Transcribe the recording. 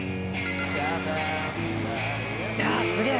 いやあすげえ！